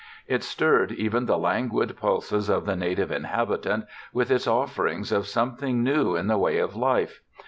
It stirred even the languid pulses of the native inhabitant with its offerings of something new in the way of "life."